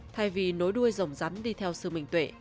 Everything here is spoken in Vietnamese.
thay vì nối đuôi rồng rắn đi theo sư minh tuệ